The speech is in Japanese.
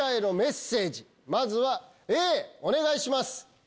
まずはＡお願いします。